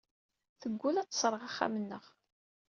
Teggul ad tesserɣ axxam-nneɣ.